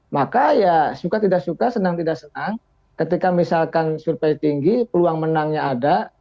maka ya suka tidak suka senang tidak senang ketika misalkan survei tinggi peluang menangnya ada